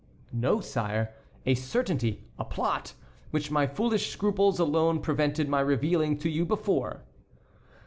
"No, sire, a certainty, a plot, which my foolish scruples alone prevented my revealing to you before."